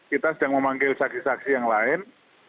kita sedang memanggil saksi saksi yang lain